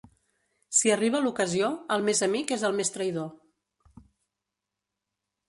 Si arriba l'ocasió, el més amic és el més traïdor.